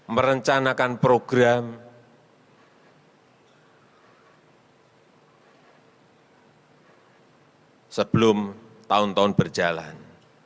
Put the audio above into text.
merencanakan program sebelum tahun tahun berjalan